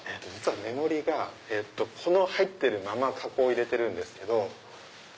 目盛りが入ってるまま加工を入れてるんですけど。